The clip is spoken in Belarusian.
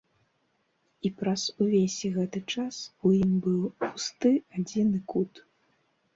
І праз увесь гэты час у ім быў пусты адзін кут.